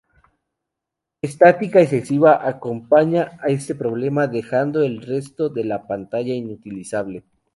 Estática excesiva acompaña este problema, dejando el resto de la pantalla inutilizable.